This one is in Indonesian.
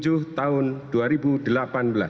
sudah penerbit pada